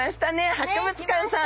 博物館さん。